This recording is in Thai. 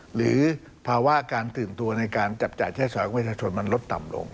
หรือภาวะการตื่นตัวในการจับจ่ายใช้สอยของประชาชนมันลดต่ำลง